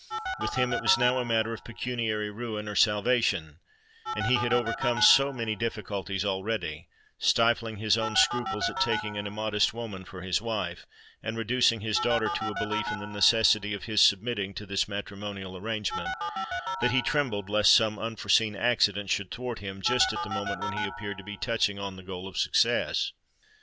With him it was now a matter of pecuniary ruin or salvation; and he had overcome so many difficulties already,—stifling his own scruples at taking an immodest woman for his wife, and reducing his daughter to a belief in the necessity of his submitting to this matrimonial arrangement,—that he trembled lest some unforeseen accident should thwart him just at the moment when he appeared to be touching on the goal of success.